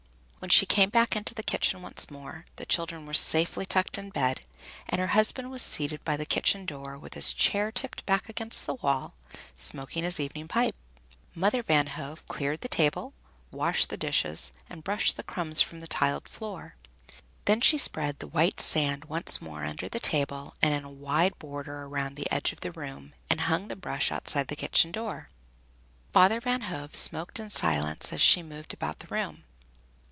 When she came back into the kitchen once more, the children were safely tucked in bed, and her husband was seated by the kitchen door with his chair tipped back against the wall, smoking his evening pipe. Mother Van Hove cleared the table, washed the dishes, and brushed the crumbs from the tiled floor. Then she spread the white sand once more under the table and in a wide border around the edge of the room, and hung the brush outside the kitchen door. Father Van Hove smoked in silence as she moved about the room.